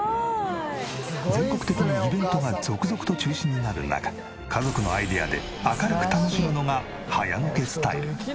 全国的にイベントが続々と中止になる中家族のアイデアで明るく楽しむのが早野家スタイル。